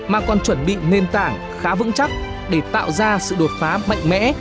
mà còn chuẩn bị nền tảng khá vững chắc để tạo ra sự đột phá mạnh mẽ